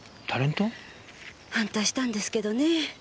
反対したんですけどね